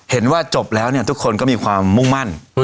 เห็นว่าจบแล้วเนี่ยทุกคนก็มีความมุ่งมั่น